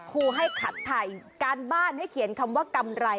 ครูให้ขัดไทยการบ้านให้เขียนคำว่ากำไร